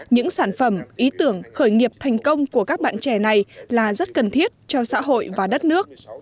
những sản phẩm ý tưởng khởi nghiệp thành công của các bạn trẻ này là rất cần thiết cho xã hội và đất nước